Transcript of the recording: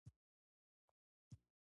ناپوهي بده ده.